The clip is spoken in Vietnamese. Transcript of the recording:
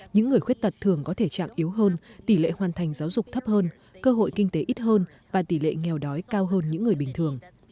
những người khuyết tật thường có thể trạng yếu hơn tỷ lệ hoàn thành giáo dục thấp hơn cơ hội kinh tế ít hơn và tỷ lệ nghèo đói cao hơn những người bình thường